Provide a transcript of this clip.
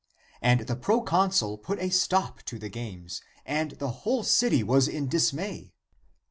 And the proconsul put a stop to the games, and the whole city was in dismay.